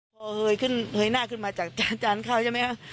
พอยขึ้นเฮยหน้าขึ้นมาจากจานเข้าใช่ไหมคะ